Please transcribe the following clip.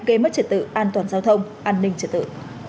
gây mất trợ tự an toàn giao thông an ninh trợ tự